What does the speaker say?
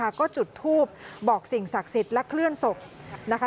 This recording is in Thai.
ก็จุดทูบบอกสิ่งศักดิ์สิทธิ์และเคลื่อนศพนะคะ